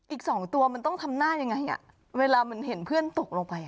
อีกสองตัวมันต้องทำหน้ายังไงอ่ะเวลามันเห็นเพื่อนตกลงไป